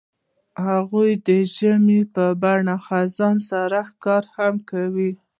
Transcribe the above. هغوی د ژمنې په بڼه خزان سره ښکاره هم کړه.